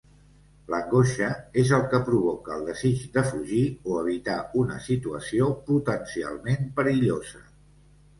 L'angoixa és el que provoca el desig de fugir o evitar una situació potencialment perillosa.